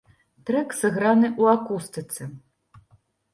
Трэк сыграны ў акустыцы.